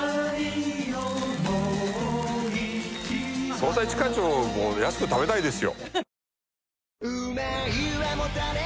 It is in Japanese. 捜査一課長も安く食べたいですよ。